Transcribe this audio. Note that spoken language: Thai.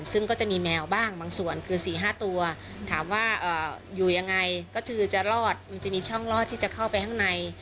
ซึ่งก็จะมีแมวบ้างบางส่วนคือ๔๕ตัวถามว่าอยู่ยังไงก็คือจะรอดมันจะมีช่องรอดที่จะเข้าไปข้างใน